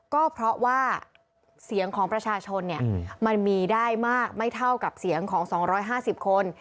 ก็เพราะว่าเสียงของประชาชนมันมีได้มากไม่เท่ากับเสียงของ๒๕๐คน